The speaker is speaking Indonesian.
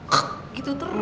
k gitu terus